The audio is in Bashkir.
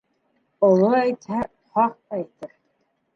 Оло әйтһә, хаҡ әйтер.